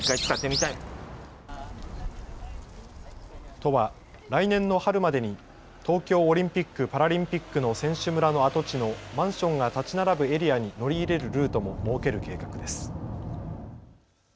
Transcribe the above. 都は来年の春までに東京オリンピック・パラリンピックの選手村の跡地のマンションが建ち並ぶエリアに乗り入れるルートも設ける計画です。